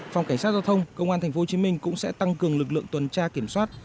phòng cảnh sát giao thông công an tp hcm cũng sẽ tăng cường lực lượng tuần tra kiểm soát